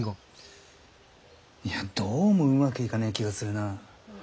いやどうもうまくいかねぇ気がするなぁ。